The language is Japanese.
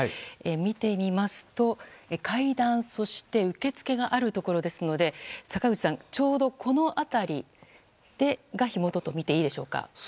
見てみますと階段、そして受付があるところですのでちょうど、この辺りが火元とみていいでしょうか。